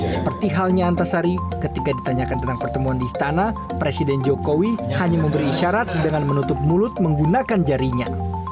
seperti halnya antasari ketika ditanyakan tentang pertemuan di istana presiden jokowi hanya memberi isyarat dengan menutup mulut menggunakan jarinya